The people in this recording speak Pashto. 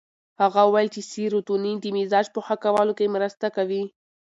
هغه وویل چې سیروتونین د مزاج په ښه کولو کې مرسته کوي.